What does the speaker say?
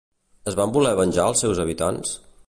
Es van voler venjar els seus habitants?